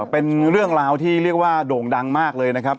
เป็นเรื่องราวที่เรียกว่าโด่งดังมากเลยนะครับ